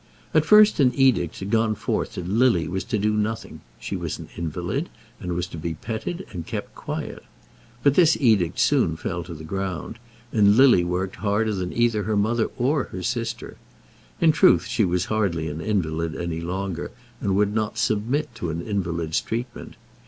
At first an edict had gone forth that Lily was to do nothing. She was an invalid, and was to be petted and kept quiet. But this edict soon fell to the ground, and Lily worked harder than either her mother or her sister. In truth she was hardly an invalid any longer, and would not submit to an invalid's treatment.